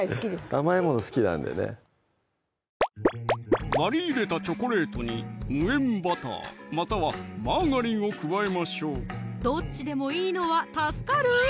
甘いもの好きなんでね割り入れたチョコレートに無塩バター又はマーガリンを加えましょうどっちでもいいのは助かる！